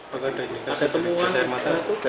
pada ketemuan dasar mata